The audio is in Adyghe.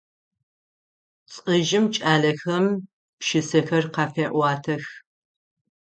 Лӏыжъым кӏалэхэм пшысэхэр къафеӏуатэх.